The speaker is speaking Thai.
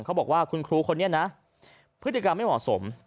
เขาบอกว่าคุณครูคนนี้นะพฤติกรรมไม่เหมาะสม